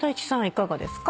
いかがですか？